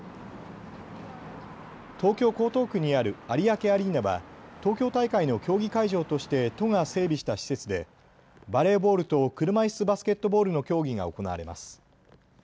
東京江東区にある有明アリーナは東京大会の競技会場として都が整備した施設でバレーボールと車いすバスケットボールの競技が行われます。